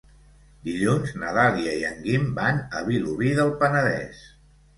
Dilluns na Dàlia i en Guim van a Vilobí del Penedès.